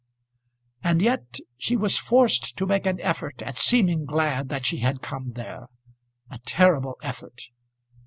And yet she was forced to make an effort at seeming glad that she had come there, a terrible effort!